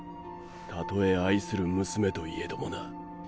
たとえ愛する娘と言えどもな。